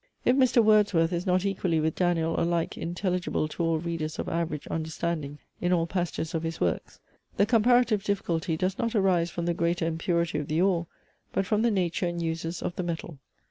If Mr. Wordsworth is not equally with Daniel alike intelligible to all readers of average understanding in all passages of his works, the comparative difficulty does not arise from the greater impurity of the ore, but from the nature and uses of the metal.